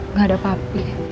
nggak ada papi